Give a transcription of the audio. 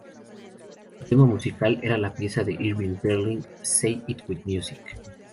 Su tema musical era la pieza de Irving Berlin "Say it With Music".